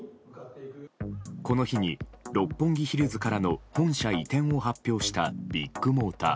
この日に、六本木ヒルズからの本社移転を発表したビッグモーター。